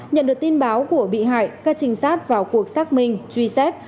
nhận được tin báo của bị hại các trinh sát vào cuộc xác minh truy xét